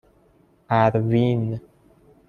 اَروین